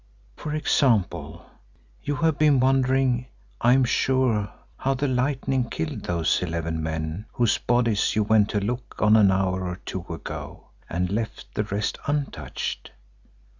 "For example, you have been wondering, I am sure, how the lightning killed those eleven men whose bodies you went to look on an hour or two ago, and left the rest untouched.